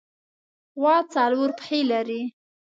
غوا څلور پښې لري.